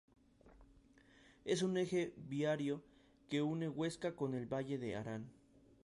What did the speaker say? Es un eje viario que une Huesca con el Valle de Arán.